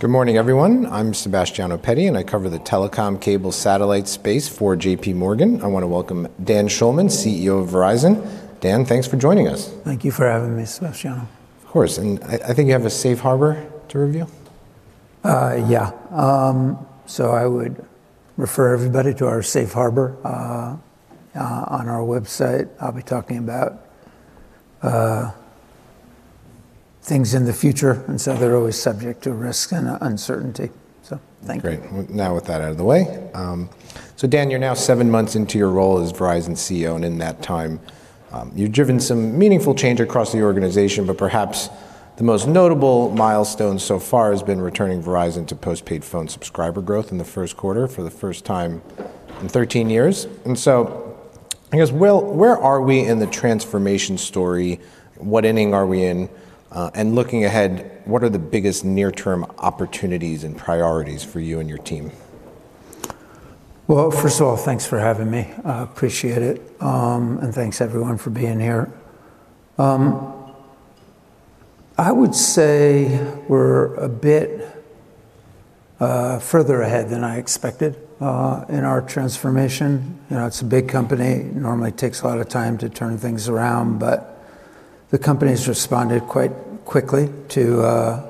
Good morning, everyone. I'm Sebastiano Petti, and I cover the telecom cable satellite space for JPMorgan. I wanna welcome Dan Schulman, CEO of Verizon. Dan, thanks for joining us. Thank you for having me, Sebastiano. Of course. I think you have a safe harbor to review. Yeah. I would refer everybody to our safe harbor on our website. I'll be talking about things in the future, and so they're always subject to risk and uncertainty. Thank you. Great. Now with that out of the way, Dan, you're now seven months into your role as Verizon CEO, and in that time, you've driven some meaningful change across the organization, but perhaps the most notable milestone so far has been returning Verizon to post-paid phone subscriber growth in the first quarter for the first time in 13 years. I guess where are we in the transformation story? What inning are we in? Looking ahead, what are the biggest near-term opportunities and priorities for you and your team? Well, first of all, thanks for having me. I appreciate it. Thanks everyone for being here. I would say we're a bit further ahead than I expected in our transformation. You know, it's a big company. It normally takes a lot of time to turn things around, but the company's responded quite quickly to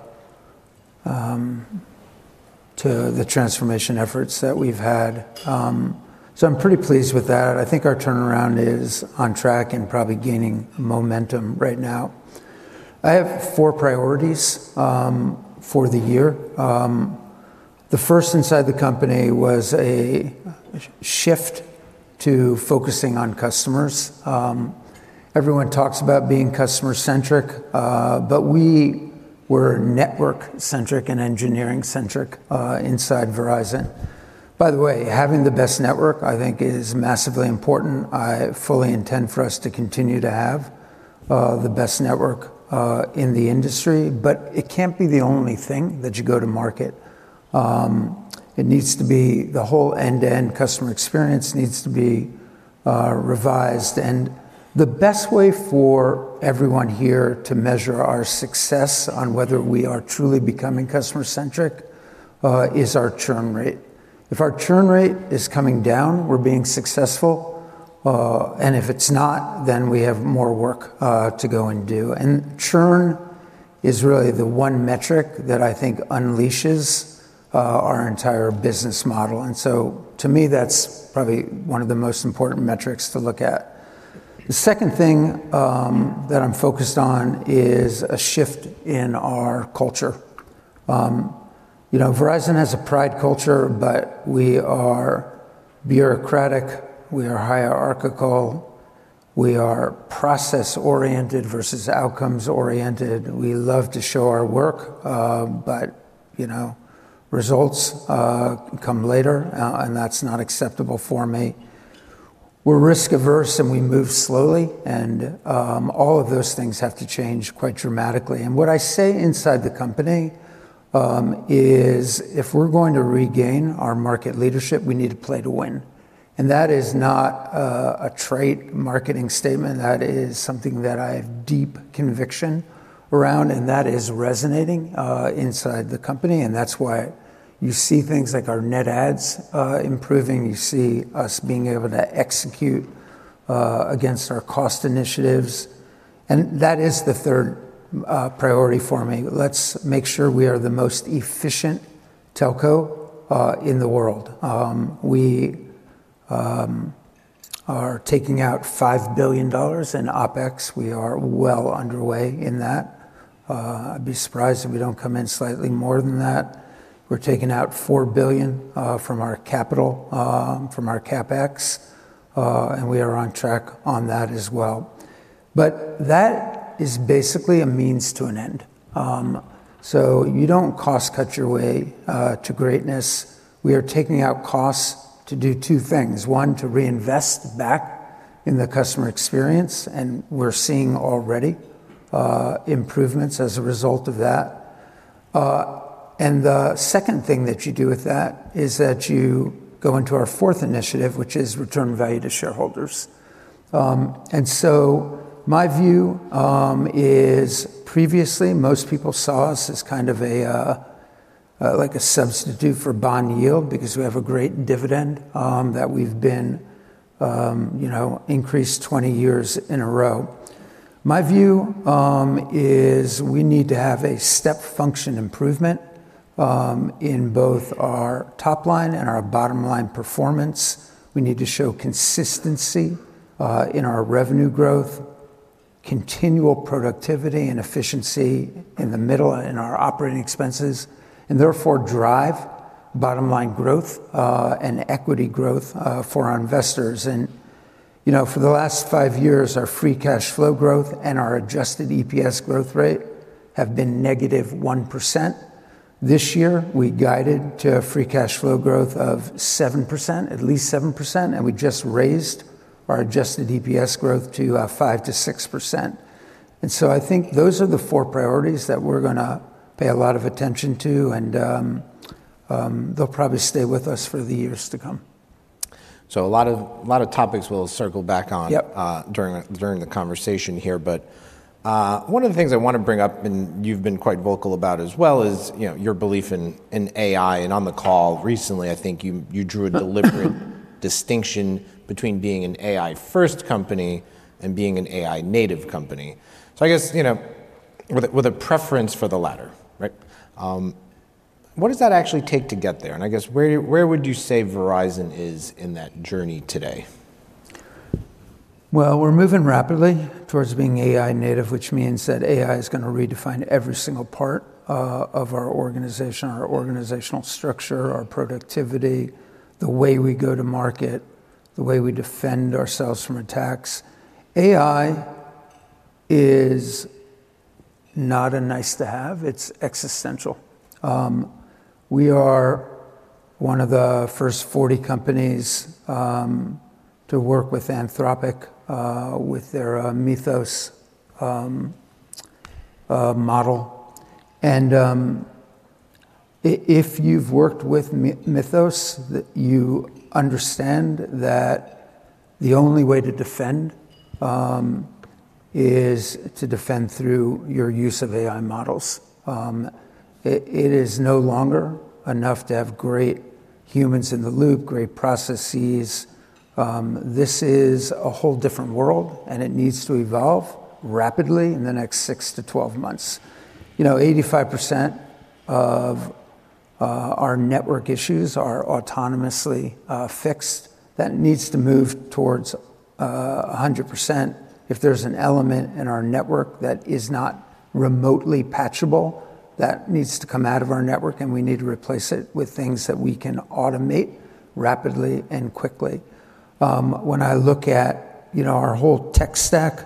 the transformation efforts that we've had. I'm pretty pleased with that. I think our turnaround is on track and probably gaining momentum right now. I have four priorities for the year. The first inside the company was a shift to focusing on customers. Everyone talks about being customer-centric, but we were network-centric and engineering-centric inside Verizon. By the way, having the best network, I think is massively important. I fully intend for us to continue to have the best network in the industry, but it can't be the only thing that you go to market. It needs to be the whole end-to-end customer experience needs to be revised. The best way for everyone here to measure our success on whether we are truly becoming customer-centric is our churn rate. If our churn rate is coming down, we're being successful. If it's not, then we have more work to go and do. Churn is really the one metric that I think unleashes our entire business model. To me, that's probably one of the most important metrics to look at. The second thing that I'm focused on is a shift in our culture. You know, Verizon has a pride culture, but we are bureaucratic, we are hierarchical, we are process-oriented versus outcomes-oriented. We love to show our work, but you know, results come later, and that's not acceptable for me. We're risk-averse, and we move slowly, and all of those things have to change quite dramatically. What I say inside the company is if we're going to regain our market leadership, we need to play to win. That is not a trade marketing statement. That is something that I have deep conviction around and that is resonating inside the company, and that's why you see things like our net adds improving. You see us being able to execute against our cost initiatives. That is the third priority for me. Let's make sure we are the most efficient telco in the world. We are taking out $5 billion in OpEx. We are well underway in that. I'd be surprised if we don't come in slightly more than that. We're taking out $4 billion from our capital, from our CapEx, and we are on track on that as well. That is basically a means to an end. You don't cost cut your way to greatness. We are taking out costs to do two things. One, to reinvest back in the customer experience, and we're seeing already improvements as a result of that. The second thing that you do with that is that you go into our fourth initiative, which is return value to shareholders. My view is previously, most people saw us as kind of a like a substitute for bond yield because we have a great dividend that we've been increased 20 years in a row. My view is we need to have a step function improvement in both our top line and our bottom line performance. We need to show consistency in our revenue growth, continual productivity and efficiency in the middle in our operating expenses, and therefore drive bottom line growth and equity growth for our investors. For the last five years, our free cash flow growth and our adjusted EPS growth rate have been -1%. This year, we guided to a free cash flow growth of 7%, at least 7%, and we just raised our adjusted EPS growth to 5%-6%. I think those are the four priorities that we're gonna pay a lot of attention to, and they'll probably stay with us for the years to come. A lot of topics we'll circle back on. Yep. During the conversation here. One of the things I wanna bring up, and you've been quite vocal about as well, is, you know, your belief in AI. On the call recently, I think you drew a distinction between being an AI-first company and being an AI-native company. I guess, you know, with a preference for the latter, right? What does that actually take to get there? I guess, where would you say Verizon is in that journey today? Well, we're moving rapidly towards being AI native, which means that AI is gonna redefine every single part of our organization, our organizational structure, our productivity, the way we go to market, the way we defend ourselves from attacks. AI is not a nice to have, it's existential. We are one of the first 40 companies to work with Anthropic with their Mythos model. If you've worked with Mythos, you understand that the only way to defend is to defend through your use of AI models. It is no longer enough to have great humans in the loop, great processes. This is a whole different world, and it needs to evolve rapidly in the next 6-12 months. You know, 85% of our network issues are autonomously fixed. That needs to move towards 100%. If there's an element in our network that is not remotely patchable, that needs to come out of our network, and we need to replace it with things that we can automate rapidly and quickly. When I look at, you know, our whole tech stack,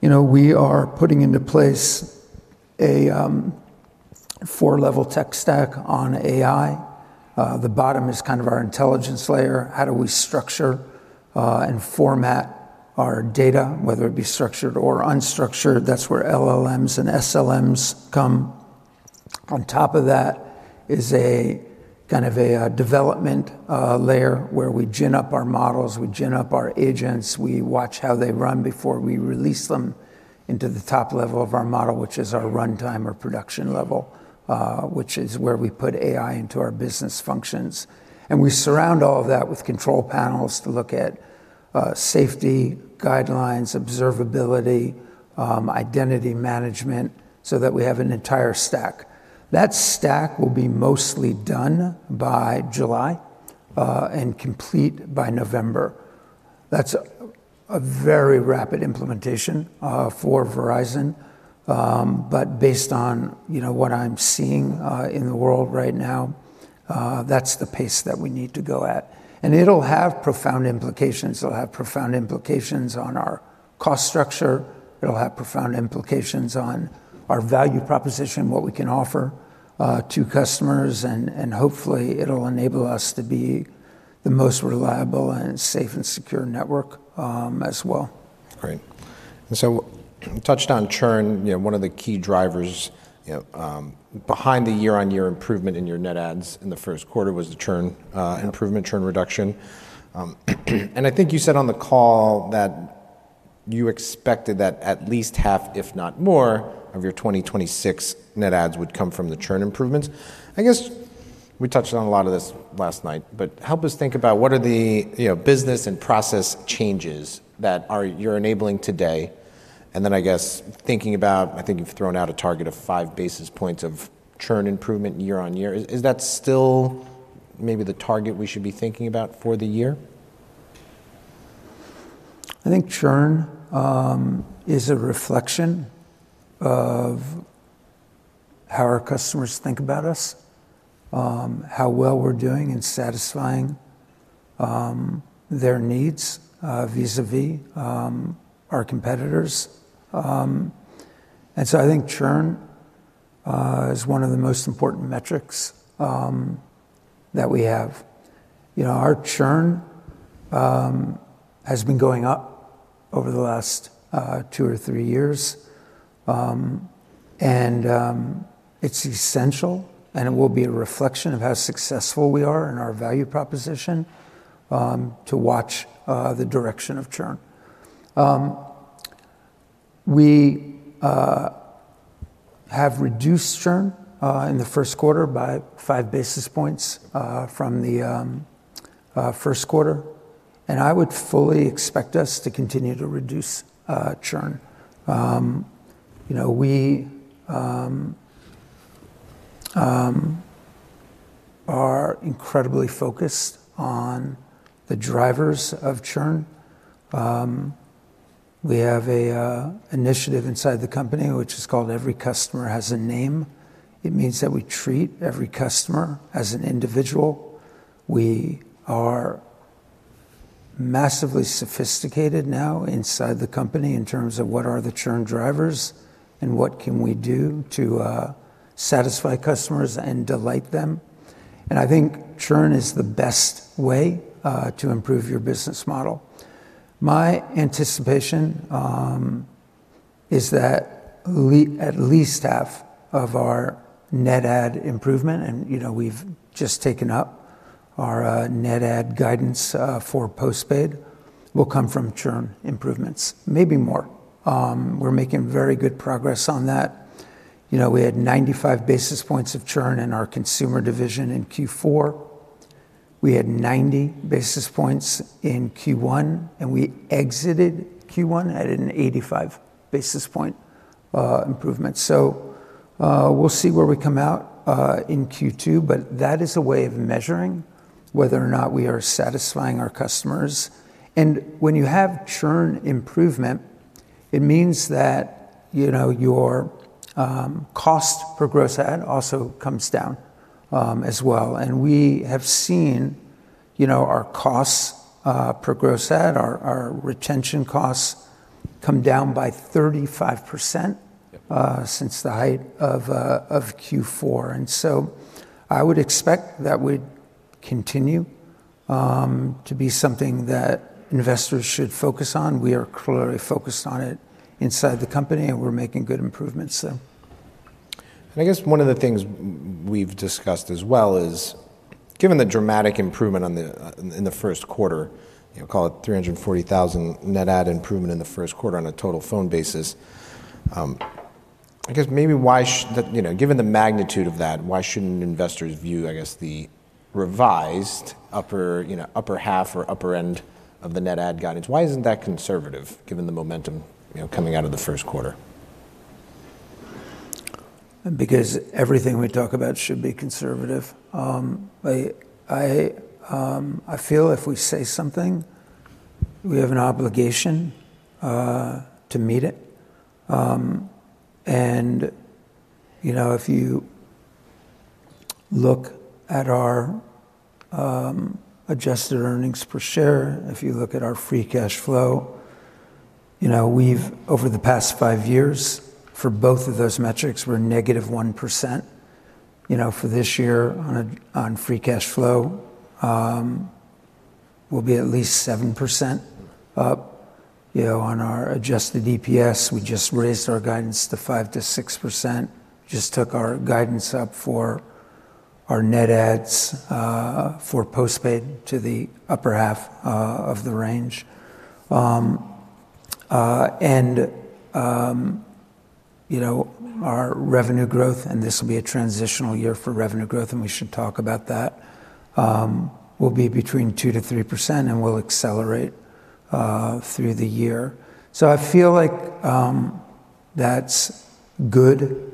you know, we are putting into place a four-level tech stack on AI. The bottom is kind of our intelligence layer. How do we structure and format our data, whether it be structured or unstructured? That's where LLMs and SLMs come. On top of that is a kind of a development layer where we gin up our models, we gin up our agents, we watch how they run before we release them into the top level of our model, which is our runtime or production level, which is where we put AI into our business functions. We surround all of that with control panels to look at safety guidelines, observability, identity management, so that we have an entire stack. That stack will be mostly done by July and complete by November. That's a very rapid implementation for Verizon. But based on, you know, what I'm seeing in the world right now, that's the pace that we need to go at. It'll have profound implications. It'll have profound implications on our cost structure. It'll have profound implications on our value proposition, what we can offer, to customers, and hopefully it'll enable us to be the most reliable and safe and secure network, as well. Great. You touched on churn. You know, one of the key drivers, you know, behind the year-on-year improvement in your net adds in the first quarter was the churn improvement, churn reduction. I think you said on the call that you expected that at least half, if not more, of your 2026 net adds would come from the churn improvements. I guess we touched on a lot of this last night, help us think about what are the, you know, business and process changes you're enabling today. I guess thinking about, I think you've thrown out a target of 5 basis points of churn improvement year-on-year. Is that still maybe the target we should be thinking about for the year? I think churn is a reflection of how our customers think about us, how well we're doing in satisfying their needs vis-a-vis our competitors. I think churn is one of the most important metrics that we have. You know, our churn has been going up over the last two or three years. It's essential, and it will be a reflection of how successful we are in our value proposition to watch the direction of churn. We have reduced churn in the first quarter by 5 basis points from the first quarter, and I would fully expect us to continue to reduce churn. You know, we are incredibly focused on the drivers of churn. We have an initiative inside the company which is called Every Customer Has a Name. It means that we treat every customer as an individual. We are massively sophisticated now inside the company in terms of what are the churn drivers and what can we do to satisfy customers and delight them. I think churn is the best way to improve your business model. My anticipation is that at least half of our net add improvement, and, you know, we've just taken up our net add guidance for postpaid, will come from churn improvements, maybe more. We're making very good progress on that. You know, we had 95 basis points of churn in our consumer division in Q4. We had 90 basis points in Q1, and we exited Q1 at an 85 basis point improvement. We'll see where we come out in Q2, that is a way of measuring whether or not we are satisfying our customers. When you have churn improvement, it means that, you know, your cost per gross add also comes down as well. We have seen, you know, our costs per gross add, our retention costs come down by 35%. Yep. since the height of Q4. I would expect that would continue to be something that investors should focus on. We are clearly focused on it inside the company, and we're making good improvements. I guess one of the things we've discussed as well is given the dramatic improvement on the in the first quarter, you know, call it 340,000 net add improvement in the first quarter on a total phone basis, I guess maybe why you know, given the magnitude of that, why shouldn't investors view, I guess, the revised upper, you know, upper half or upper end of the net add guidance? Why isn't that conservative given the momentum, you know, coming out of the first quarter? Because everything we talk about should be conservative. I feel if we say something, we have an obligation to meet it. You know, if you look at our adjusted Earnings Per Share, if you look at our free cash flow, you know, we've over the past five years, for both of those metrics, we're -1%. You know, for this year on free cash flow, we'll be at least 7% up. You know, on our adjusted EPS, we just raised our guidance to 5%-6%. Just took our guidance up for our net adds for postpaid to the upper half of the range. You know, our revenue growth, and this will be a transitional year for revenue growth, and we should talk about that, will be between 2%-3% and will accelerate through the year. I feel like that's good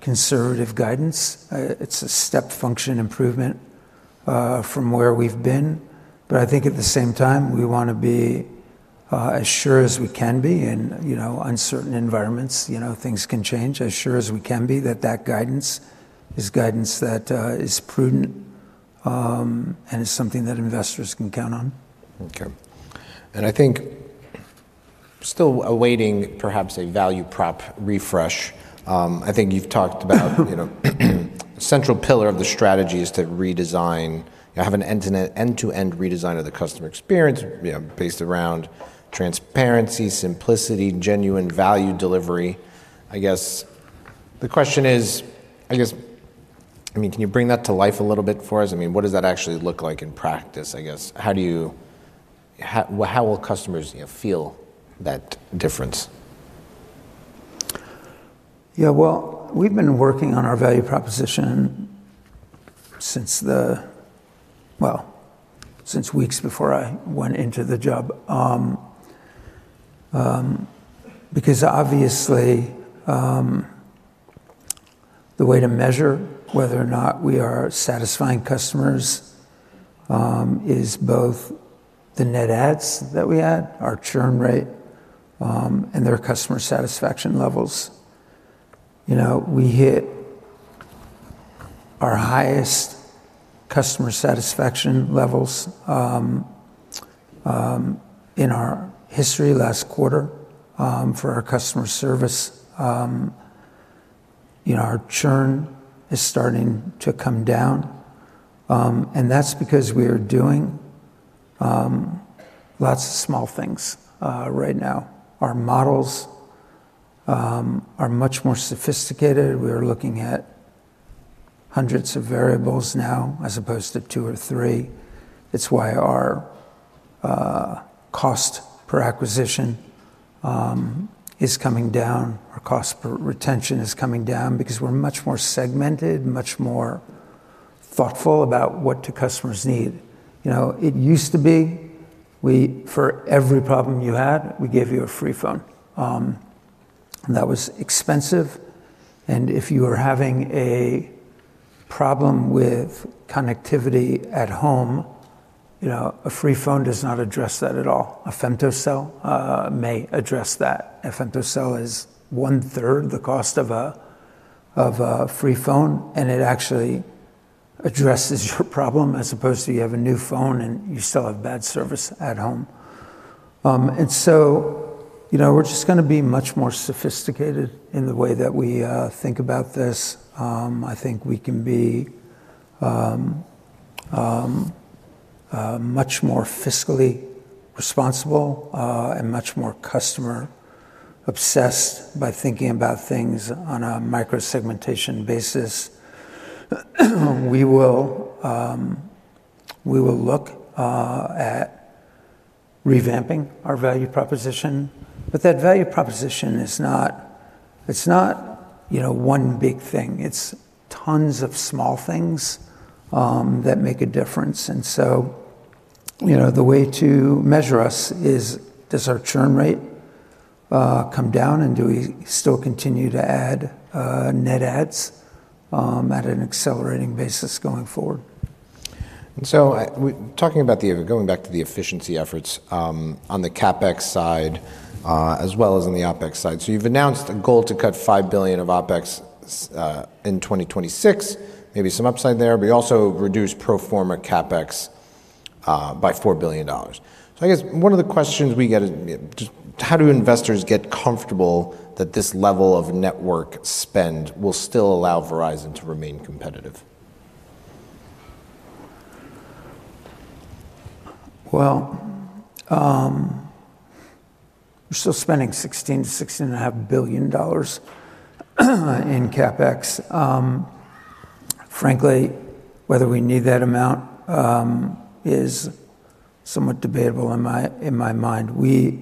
conservative guidance. It's a step function improvement from where we've been. I think at the same time, we wanna be as sure as we can be in, you know, uncertain environments. You know, things can change. As sure as we can be that that guidance is guidance that is prudent and is something that investors can count on. Okay. I think still awaiting perhaps a value prop refresh, you know, central pillar of the strategy is to redesign, have an end-to-end redesign of the customer experience, you know, based around transparency, simplicity, genuine value delivery. I guess the question is, I guess, I mean, can you bring that to life a little bit for us? I mean, what does that actually look like in practice, I guess? How will customers, you know, feel that difference? Yeah, well, we've been working on our value proposition since weeks before I went into the job. Obviously, the way to measure whether or not we are satisfying customers, is both the net adds that we had, our churn rate, and their customer satisfaction levels. You know, we hit our highest customer satisfaction levels in our history last quarter, for our customer service. You know, our churn is starting to come down, that's because we are doing lots of small things right now. Our models are much more sophisticated. We are looking at hundreds of variables now as opposed to two or three. It's why our cost per acquisition is coming down. Our cost per retention is coming down because we're much more segmented, much more thoughtful about what do customers need. You know, it used to be we, for every problem you had, we gave you a free phone. That was expensive, and if you were having a problem with connectivity at home, you know, a free phone does not address that at all. A femtocell may address that. A femtocell is 1/3 the cost of a, of a free phone, and it actually addresses your problem as opposed to you have a new phone and you still have bad service at home. You know, we're just gonna be much more sophisticated in the way that we think about this. I think we can be much more fiscally responsible and much more customer obsessed by thinking about things on a micro-segmentation basis. We will, we will look at revamping our value proposition, but that value proposition is not, it's not, you know, one big thing. It's tons of small things that make a difference. You know, the way to measure us is does our churn rate come down, and do we still continue to add net adds at an accelerating basis going forward? Talking about going back to the efficiency efforts on the CapEx side as well as on the OpEx side. You've announced a goal to cut $5 billion of OpEx in 2026, maybe some upside there, but you also reduced pro forma CapEx by $4 billion. I guess one of the questions we get is, you know, just how do investors get comfortable that this level of network spend will still allow Verizon to remain competitive? We're still spending $16 billion, $16.5 billion in CapEx. Frankly, whether we need that amount is somewhat debatable in my mind. We,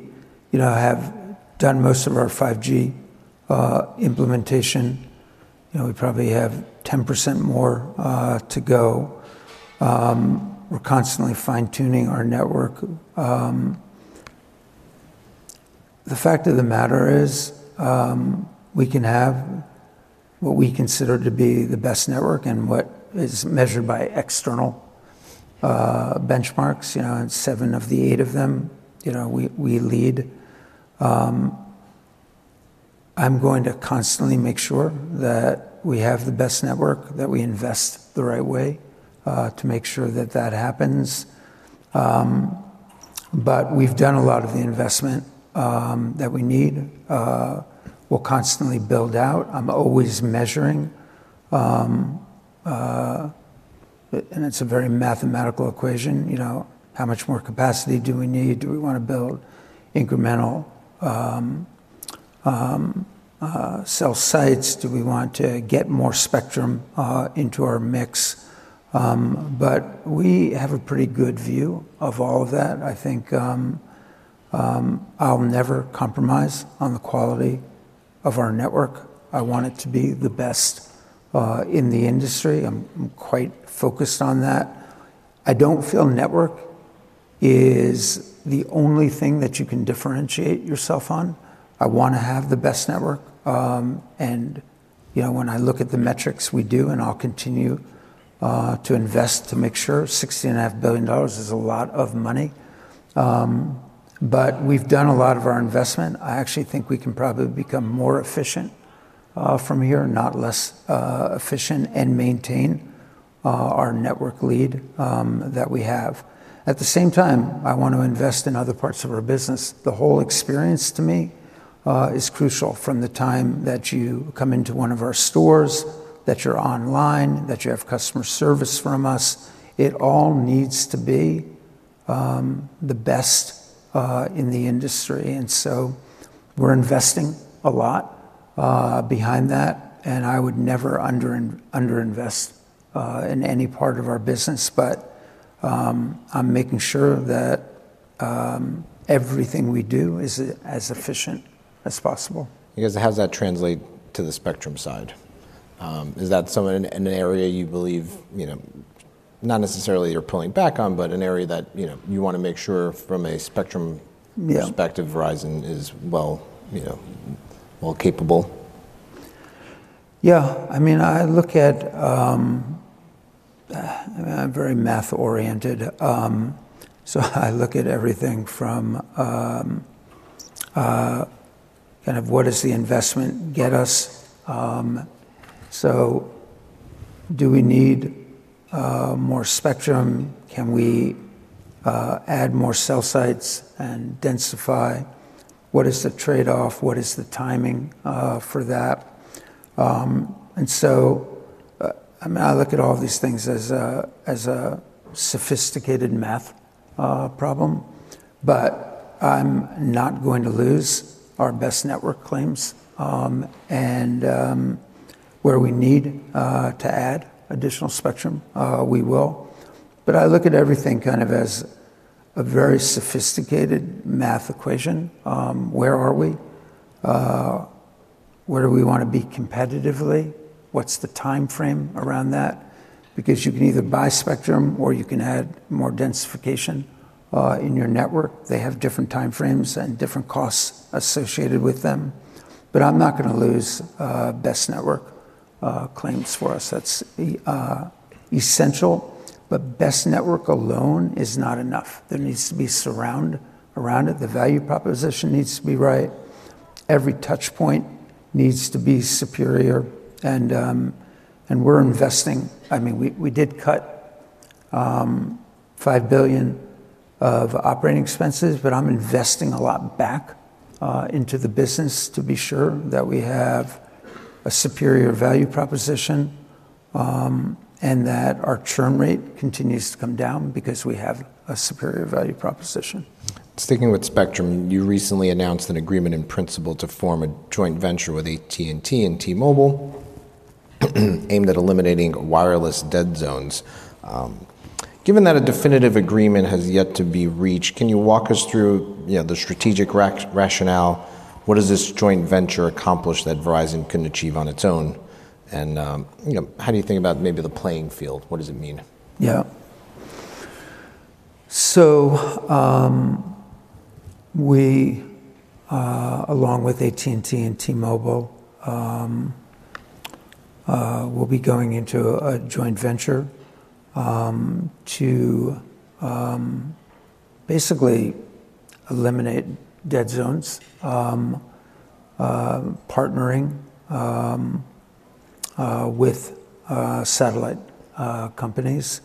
you know, have done most of our 5G implementation. You know, we probably have 10% more to go. We're constantly fine-tuning our network. The fact of the matter is, we can have what we consider to be the best network and what is measured by external benchmarks. You know, in seven of the eight of them, you know, we lead. I'm going to constantly make sure that we have the best network, that we invest the right way to make sure that that happens. We've done a lot of the investment that we need. We'll constantly build out. I'm always measuring, and it's a very mathematical equation. You know, how much more capacity do we need? Do we wanna build incremental cell sites? Do we want to get more spectrum into our mix? We have a pretty good view of all of that, I think. I'll never compromise on the quality of our network. I want it to be the best in the industry. I'm quite focused on that. I don't feel network is the only thing that you can differentiate yourself on. I wanna have the best network. You know, when I look at the metrics we do, and I'll continue to invest to make sure $60.5 billion is a lot of money. We've done a lot of our investment. I actually think we can probably become more efficient from here, not less efficient and maintain our network lead that we have. At the same time, I want to invest in other parts of our business. The whole experience to me is crucial. From the time that you come into one of our stores, that you're online, that you have customer service from us, it all needs to be the best in the industry. So we're investing a lot behind that, and I would never under invest in any part of our business. I'm making sure that everything we do is as efficient as possible. I guess how does that translate to the spectrum side? Is that an area you believe, you know, not necessarily you're pulling back on, but an area that, you know, you wanna make sure from a spectrum- Yeah. perspective, Verizon is well, you know, well capable? Yeah. I mean, I'm very math-oriented, I look at everything from, kind of what does the investment get us? Do we need more spectrum? Can we add more cell sites and densify? What is the trade-off? What is the timing for that? I mean, I look at all these things as a, as a sophisticated math problem, but I'm not going to lose our best network claims. Where we need to add additional spectrum, we will. I look at everything kind of as a very sophisticated math equation. Where are we? Where do we wanna be competitively? What's the timeframe around that? Because you can either buy spectrum or you can add more densification in your network. They have different timeframes and different costs associated with them. I'm not gonna lose best network claims for us. That's essential. Best network alone is not enough. There needs to be surround around it. The value proposition needs to be right. Every touch point needs to be superior. We're investing. I mean, we did cut $5 billion of operating expenses, I'm investing a lot back into the business to be sure that we have a superior value proposition, and that our churn rate continues to come down because we have a superior value proposition. Sticking with spectrum, you recently announced an agreement in principle to form a joint venture with AT&T and T-Mobile aimed at eliminating wireless dead zones. Given that a definitive agreement has yet to be reached, can you walk us through, you know, the strategic rationale? What does this joint venture accomplish that Verizon couldn't achieve on its own? You know, how do you think about maybe the playing field? What does it mean? Yeah. We, along with AT&T and T-Mobile, will be going into a joint venture to basically eliminate dead zones. Partnering with satellite companies.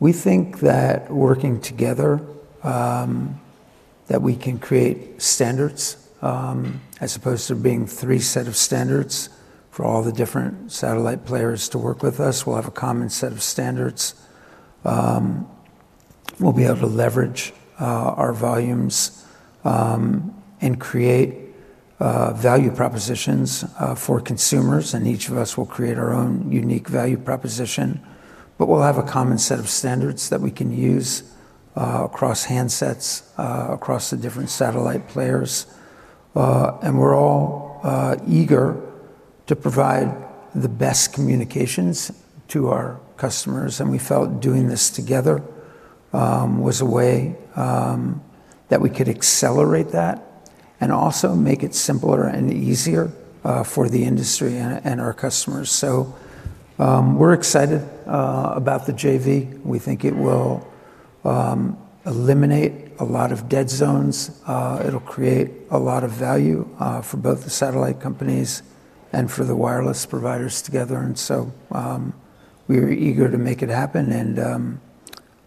We think that working together that we can create standards, as opposed to being three set of standards for all the different satellite players to work with us. We'll have a common set of standards. We'll be able to leverage our volumes and create value propositions for consumers, and each of us will create our own unique value proposition. We'll have a common set of standards that we can use across handsets, across the different satellite players. We're all eager to provide the best communications to our customers, and we felt doing this together was a way that we could accelerate that and also make it simpler and easier for the industry and our customers. We're excited about the JV. We think it will eliminate a lot of dead zones. It'll create a lot of value for both the satellite companies and for the wireless providers together. We're eager to make it happen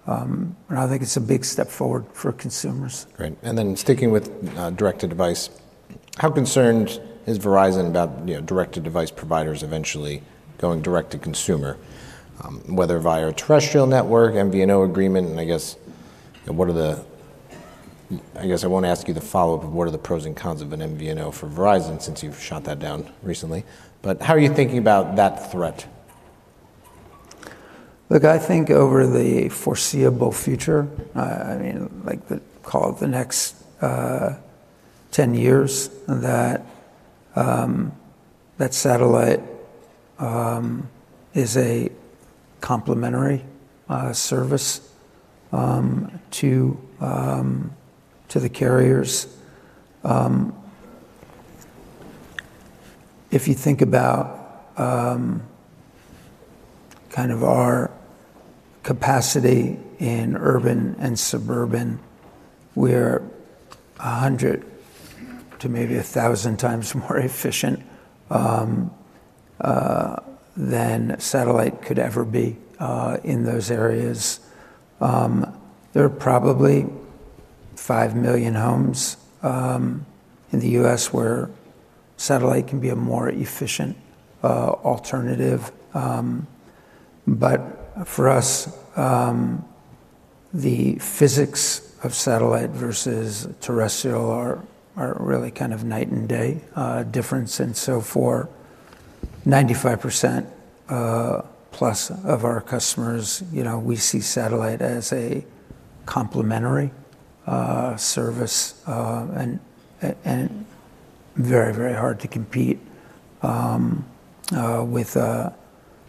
and I think it's a big step forward for consumers. Great. Sticking with direct-to-device, how concerned is Verizon about, you know, direct-to-device providers eventually going direct to consumer, whether via terrestrial network, MVNO agreement? I guess I won't ask you the follow-up of what are the pros and cons of an MVNO for Verizon since you've shot that down recently. How are you thinking about that threat? Look, I think over the foreseeable future, I mean, like call it the next 10 years, that satellite is a complementary service to the carriers. If you think about kind of our capacity in urban and suburban, we're 100 to maybe 1,000 times more efficient than satellite could ever be in those areas. There are probably 5 million homes in the U.S. where satellite can be a more efficient alternative. For us, the physics of satellite versus terrestrial are really kind of night and day difference. For 95%+ of our customers, you know, we see satellite as a complementary service and very hard to compete with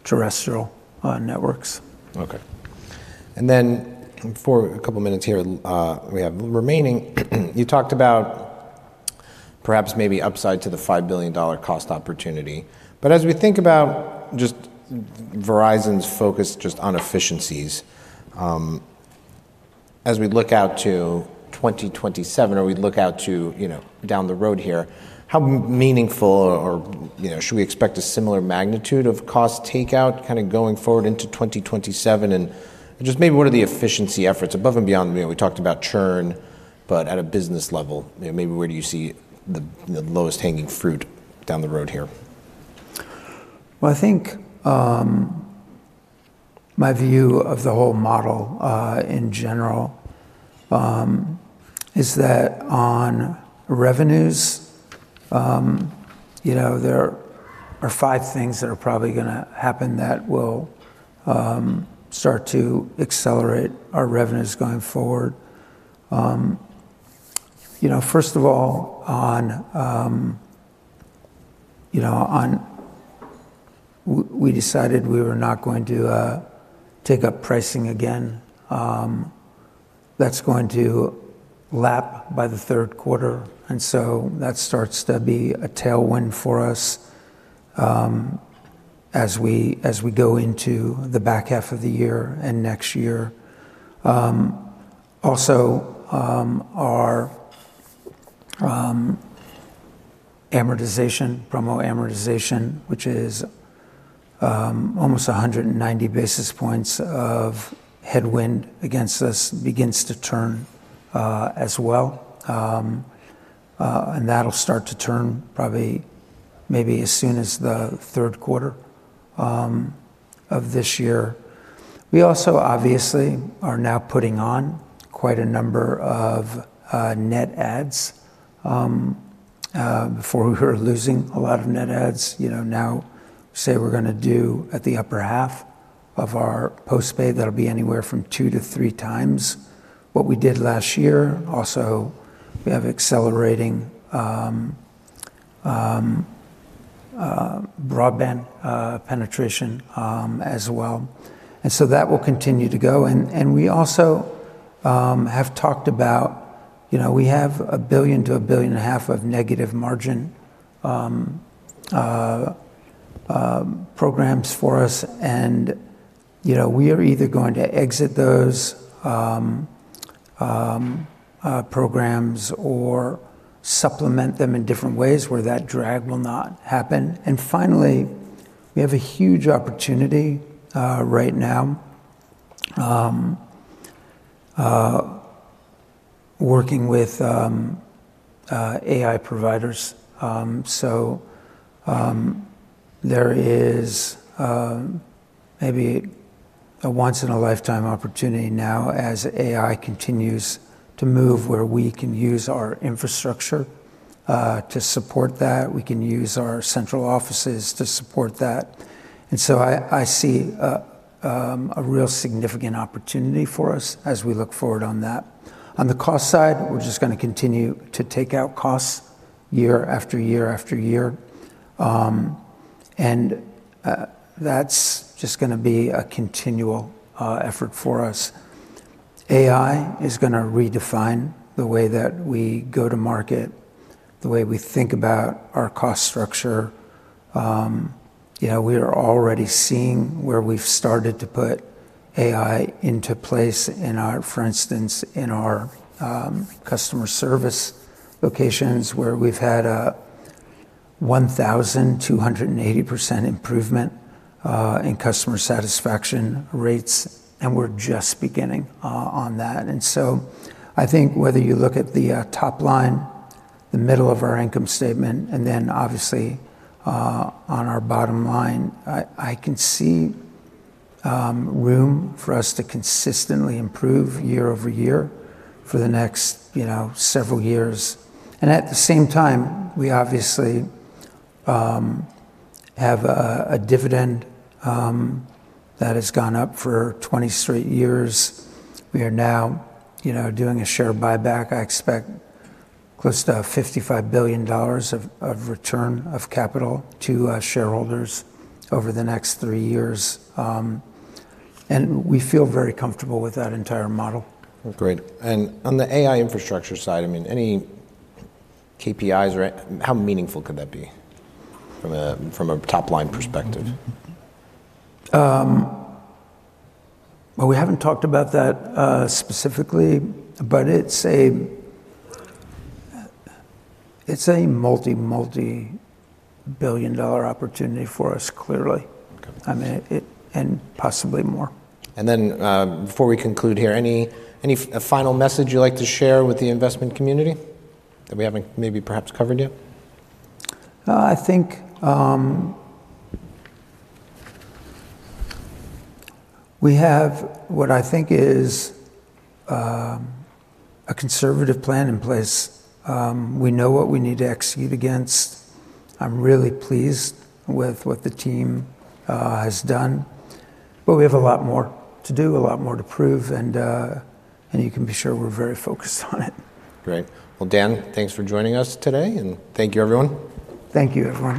terrestrial networks. Okay. For a couple minutes here, we have remaining, you talked about perhaps maybe upside to the $5 billion cost opportunity. As we think about just Verizon's focus just on efficiencies, as we look out to 2027 or we look out to, you know, down the road here, how meaningful or, you know, should we expect a similar magnitude of cost takeout kinda going forward into 2027? Just maybe what are the efficiency efforts above and beyond, you know, we talked about churn, but at a business level, you know, maybe where do you see the lowest hanging fruit down the road here? I think, my view of the whole model, in general, is that on revenues, you know, there are five things that are probably gonna happen that will start to accelerate our revenues going forward. You know, first of all, We decided we were not going to take up pricing again. That's going to lap by the third quarter, that starts to be a tailwind for us, as we go into the back half of the year and next year. Also, our amortization, promo amortization, which is almost 190 basis points of headwind against us begins to turn as well. That'll start to turn probably maybe as soon as the third quarter of this year. We also obviously are now putting on quite a number of net adds. Before we were losing a lot of net adds, you know, now say we're gonna do at the upper half of our postpaid that'll be anywhere from two to three times what we did last year. Also, we have accelerating broadband penetration as well. That will continue to go. We also have talked about, you know, we have $1 billion-$1.5 billion of negative margin programs for us and, you know, we are either going to exit those programs or supplement them in different ways where that drag will not happen. Finally, we have a huge opportunity right now working with AI providers. There is maybe a once in a lifetime opportunity now as AI continues to move where we can use our infrastructure to support that. We can use our central offices to support that. I see a real significant opportunity for us as we look forward on that. On the cost side, we're just gonna continue to take out costs year after year after year. That's just gonna be a continual effort for us. AI is gonna redefine the way that we go to market, the way we think about our cost structure. Yeah, we are already seeing where we've started to put AI into place for instance, in our customer service locations where we've had a 1,280% improvement in customer satisfaction rates, and we're just beginning on that. I think whether you look at the top line, the middle of our income statement, and then obviously on our bottom line, I can see room for us to consistently improve year-over-year for the next, you know, several years. We obviously have a dividend that has gone up for 20 straight years. We are now, you know, doing a share buyback. I expect close to $55 billion of return of capital to our shareholders over the next three years. We feel very comfortable with that entire model. Well, great. On the AI infrastructure side, I mean, any KPIs or how meaningful could that be from a, from a top-line perspective? Well, we haven't talked about that specifically, but it's a multi multi-billion dollar opportunity for us, clearly. Okay. I mean, possibly more. Before we conclude here, any final message you'd like to share with the investment community that we haven't maybe perhaps covered yet? I think, we have what I think is, a conservative plan in place. We know what we need to execute against. I'm really pleased with what the team has done. We have a lot more to do, a lot more to prove, and you can be sure we're very focused on it. Great. Well, Dan, thanks for joining us today, and thank you, everyone. Thank you, everyone.